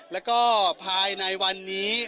แล้วก็ภายในวันนี้